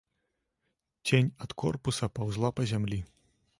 Цень ад корпуса паўзла па зямлі.